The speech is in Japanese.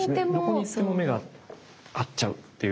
どこに行っても目が合っちゃうっていう。